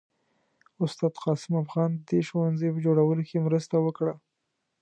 استاد قاسم افغان د دې ښوونځي په جوړولو کې مرسته وکړه.